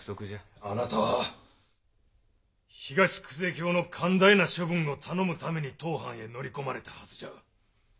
あなたは東久世の寛大な処分を頼むために当藩へ乗り込まれたはずじゃ。